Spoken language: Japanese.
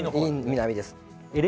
南です